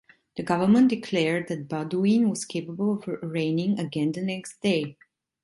The government declared that Baudouin was capable of reigning again the next day.